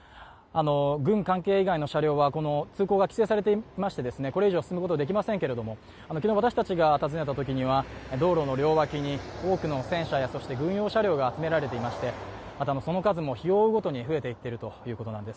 軍関係以外の車両は通行が規制されていてこれ以上、進むことはできませんが昨日私たちが尋ねたときには道路の両脇に多くの戦車や軍用車両が集められていまして、その数も日を追うごとに増えていっています。